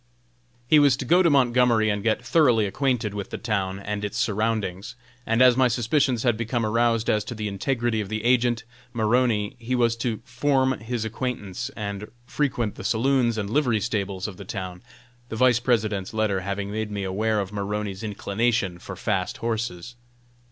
He was to go to Montgomery and get thoroughly acquainted with the town and its surroundings; and as my suspicions had become aroused as to the integrity of the agent, Maroney, he was to form his acquaintance, and frequent the saloons and livery stables of the town, the Vice President's letter having made me aware of Maroney's inclination for fast horses.